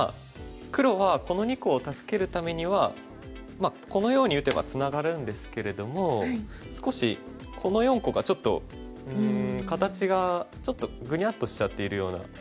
黒はこの２個を助けるためにはこのように打てばツナがるんですけれども少しこの４個がちょっと形がちょっとグニャッとしちゃっているような。